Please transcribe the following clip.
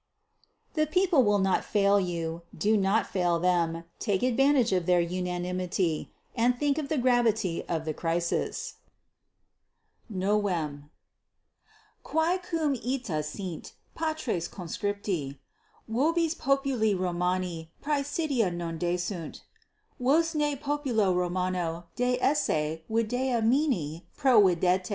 _The people will not fail you; do not fail them. Take advantage of their unanimity, and think of the gravity of the crisis._ =9.= Quae cum ita sint, patres conscripti, vobis populi Romani 18 praesidia non desunt: vos ne populo Romano deesse videamini providete.